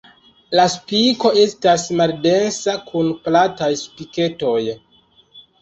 La spiko estas maldensa kun plataj spiketoj.